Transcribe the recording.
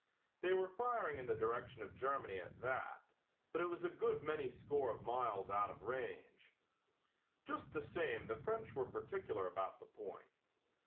They were firing in the direction of Germany at that, but it was a good many score of miles out of range. Just the same the French were particular about the point.